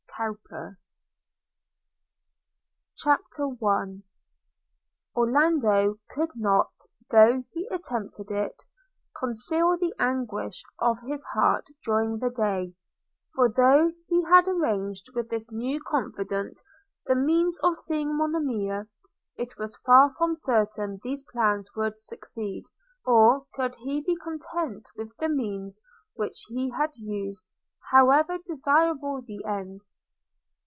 COWPER CHAPTER I ORLANDO could not, though he attempted it, conceal the anguish of his heart during the day: for though he had arranged with his new confident the means of seeing Monimia, it was far from certain these plans would succeed; or, could he be content with the means which he had used, however desirable the end.